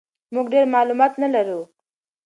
موږ ډېر معلومات نه لرو.